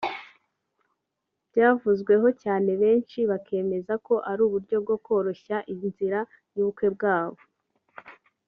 byavuzweho cyane benshi bakemeza ko ari uburyo bwo koroshya inzira y’ubukwe bwabo